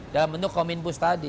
dalam bentuk kominfus tadi